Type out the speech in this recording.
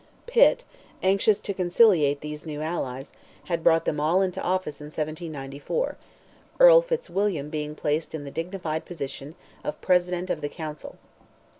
Pitt, anxious to conciliate these new allies, had brought them all into office in 1794—Earl Fitzwilliam being placed in the dignified position of President of the Council.